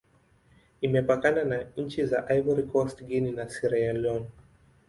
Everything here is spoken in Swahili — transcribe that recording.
Imepakana na nchi za Ivory Coast, Guinea, na Sierra Leone.